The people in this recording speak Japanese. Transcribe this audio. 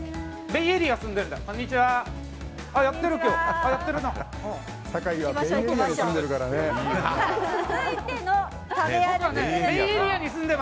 ベイエリア住んでるんで。